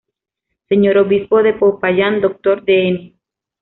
Sr. Obispo de Popayán, Dr. Dn.